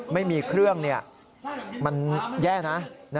ไม่มีเครื่องมันแย่นะ